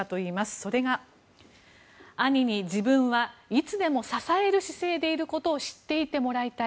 それが、兄に自分はいつでも支える姿勢でいることを知っていてもらいたい。